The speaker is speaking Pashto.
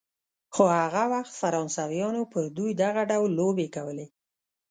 خو هغه وخت فرانسویانو پر دوی دغه ډول لوبې کولې.